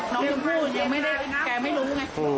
น้องชมพู่ยังไม่ได้แกไม่รู้ไง